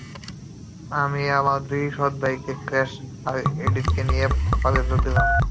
আমি আমার দুই সৎ ভাই ক্র্যাশ আর এডিকে নিয়ে পালে যোগ দিলাম।